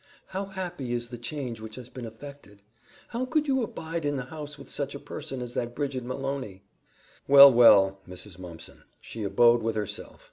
How happy is the change which has been affected! How could you abide in the house with such a person as that Bridget Malony?" "Well, well, Mrs. Mumpson! She abode with herself.